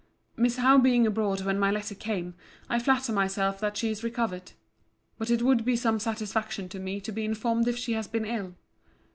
Miss Howe being abroad when my letter came, I flatter myself that she is recovered. But it would be some satisfaction to me to be informed if she has been ill.